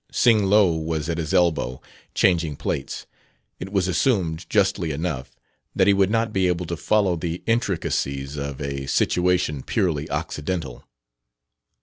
Sing Lo was at his elbow, changing plates: it was assumed, justly enough, that he would not be able to follow the intricacies of a situation purely occidental.